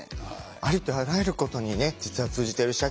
ありとあらゆることにね実は通じてる社協。